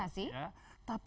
tapi kita bicara sistem